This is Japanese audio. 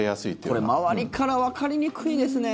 これ周りからわかりにくいですね。